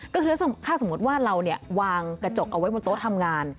ก็คือถ้าสมมุติว่าเราวางกระจกเอาไว้บนโต๊ะทำงาน